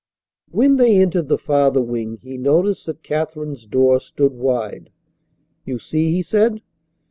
When they entered the farther wing he noticed that Katherine's door stood wide. "You see," he said.